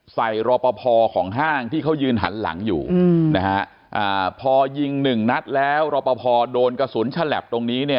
ใส่รอปภของห้างที่เขายืนหันหลังอยู่พอยิง๑นัทแล้วรอปภโดนกระสุนฉลับตรงนี้